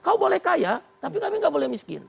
kau boleh kaya tapi kami nggak boleh miskin